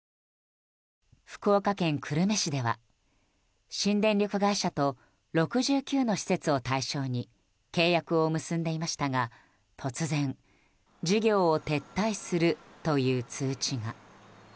福岡県久留米市では新電力会社と６９の施設を対象に契約を結んでいましたが突然、事業を撤退するという通知が。